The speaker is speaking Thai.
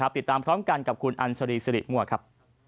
ติดตามพร้อมกันกับคุณอัญชรีสิริมั่วครับ